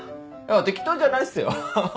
適当じゃないっすよハハハ。